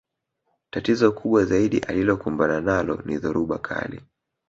Tatizo kubwa zaidi alilokumbana nalo ni dhoruba kali